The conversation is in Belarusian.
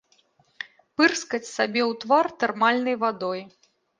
Пырскаць сабе ў твар тэрмальнай вадой.